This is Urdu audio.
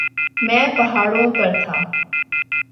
. میں پہاڑوں پر تھا.